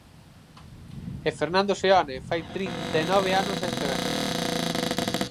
E Fernando Seoane fai trinta e nove anos este venres.